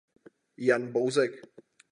Jan Bouzek.